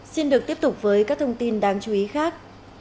xin được tiếp tục với các thông tin đáng chú ý khác